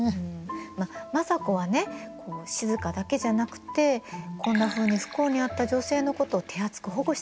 まあ政子はね静だけじゃなくてこんなふうに不幸にあった女性のことを手厚く保護してたの。